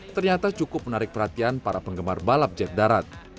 ternyata cukup menarik perhatian para penggemar balap jet darat